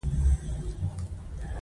د سړک مخ کې خټه زیاته وه.